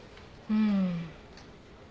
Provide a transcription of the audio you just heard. うん。